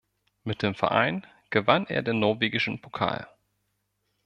Mit dem Verein gewann er den norwegischen Pokal.